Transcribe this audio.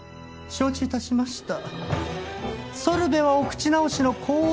承知致しました。